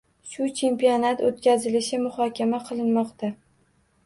Shu chempionat oʻtkazilishi muhokama qilinmoqda.